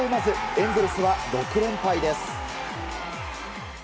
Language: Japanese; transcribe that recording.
エンゼルスは６連敗です。